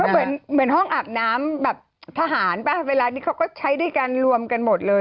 เหมือนห้องอาบน้ำแบบทหารป่ะเวลานี้เขาก็ใช้ด้วยกันรวมกันหมดเลย